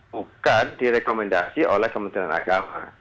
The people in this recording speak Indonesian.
bukan direkomendasi oleh kementerian agama